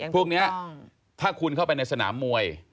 พวกนี้ถ้าคุณเข้าไปในสนามมวย